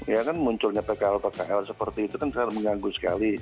ya kan munculnya pkl pkl seperti itu kan sangat mengganggu sekali